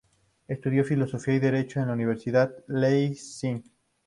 Estudió Filosofía y Derecho en la Universidad de Leipzig.